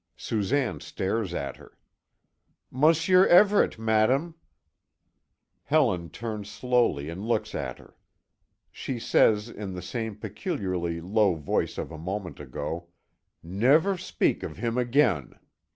Susanne stares at her. "Monsieur Everet, Madame!" Helen turns slowly and looks at her. She says, in the same peculiarly low voice of a moment ago: "Never speak of him again.